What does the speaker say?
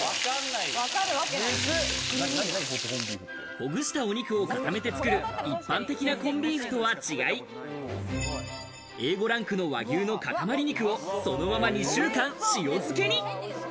ほぐしたお肉を固めて作る一般的なコンビーフとは違い、Ａ５ランクの和牛の塊肉をそのまま２週間、塩漬けに。